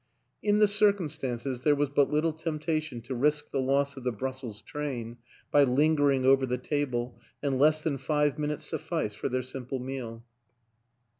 In the circum stances there was but little temptation to risk the loss of the Brussels train by lingering over the table and less than five minutes sufficed for their simple meal.